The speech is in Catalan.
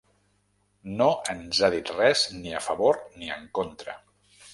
No ens han dit res ni a favor, ni en contra.